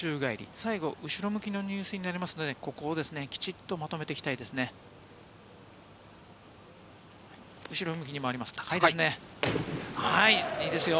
最後は後ろ向きの入水になりますので、ここをきちんとまとめていきたいですね。